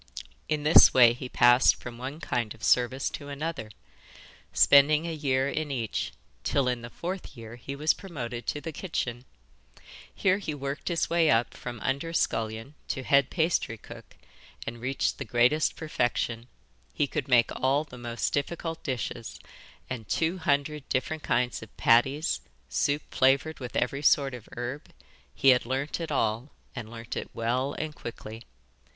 In this way he passed from one kind of service to another, spending a year in each, till in the fourth year he was promoted to the kitchen. Here he worked his way up from under scullion to head pastrycook, and reached the greatest perfection. He could make all the most difficult dishes, and two hundred different kinds of patties, soup flavoured with every sort of herb he had learnt it all, and learnt it well and quickly.